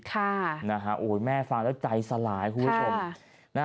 ค่ะโอ้โหแม่ฟังแล้วใจสลายคุณผู้ชม